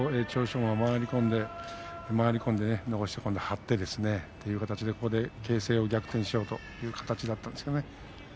馬が回り込んで残して今度は張ってという形で形勢を逆転しようという形だったんですね。